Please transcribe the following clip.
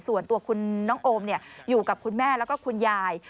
ส่วนตัวคุณน้องโอมอยู่กับคุณแม่แล้วก็คุณยาย